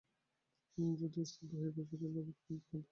যতী স্তব্ধ হয়ে বসে রইল, বোধ করি কথাটা তার ঠিক লাগল না।